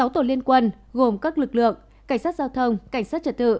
sáu tổ liên quân gồm các lực lượng cảnh sát giao thông cảnh sát trật tự